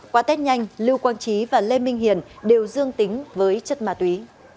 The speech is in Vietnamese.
qua tết nhanh lưu quang trí và lê minh hiền đều dương tính với chất ma túy